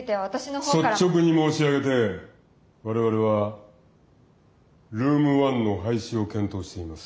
率直に申し上げて我々はルーム１の廃止を検討しています。